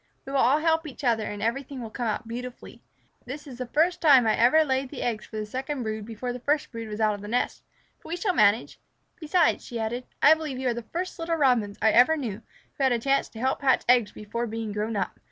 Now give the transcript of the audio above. We will all help each other and everything will come out beautifully. This is the first time I ever laid the eggs for the second brood before the first brood was out of the nest, but we shall manage. Besides," she added, "I believe you are the first little Robins I ever knew who had a chance to help hatch eggs before being grown up.